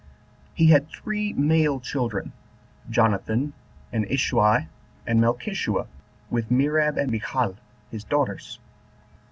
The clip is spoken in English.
He had three male children, Jonathan, and Isui, and Melchishua; with Merab and Michal his daughters.